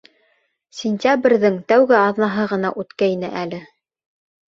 Сентябрҙең тәүге аҙнаһы ғына үткәйне әле.